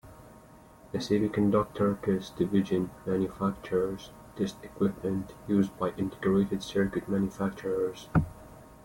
The Semiconductor Test Division manufactures test equipment used by integrated circuit manufacturers.